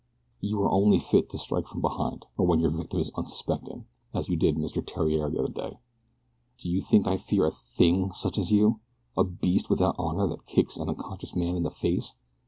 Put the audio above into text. You are only fit to strike from behind, or when your victim is unsuspecting, as you did Mr. Theriere that other day. Do you think I fear a THING such as you a beast without honor that kicks an unconscious man in the face?